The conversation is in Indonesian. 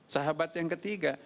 sahabat yang ketiga